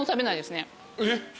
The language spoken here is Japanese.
えっ？